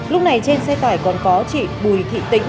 lúc này trên xe tải còn có chị bùi thị tĩnh